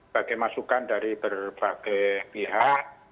bagi masukan dari berbagai pihak